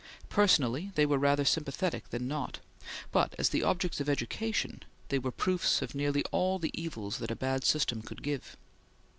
Personally they were rather sympathetic than not, but as the objects of education they were proofs of nearly all the evils that a bad system could give.